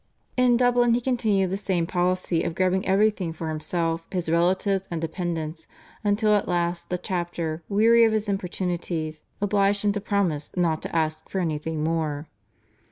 In Dublin he continued the same policy of grabbing everything for himself, his relatives and dependents until at last the chapter, weary of his importunities, obliged him to promise not to ask for anything more.